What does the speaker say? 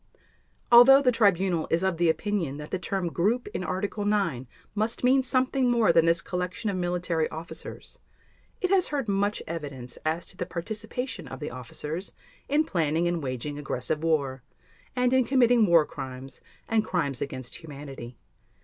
Although the Tribunal is of the opinion that the term "group" in Article 9 must mean something more than this collection of military officers, it has heard much evidence as to the participation of the officers in planning and waging aggressive war, and in committing War Crimes and Crimes against Humanity.